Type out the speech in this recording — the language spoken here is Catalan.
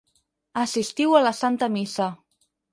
Assistiu a la santa missa.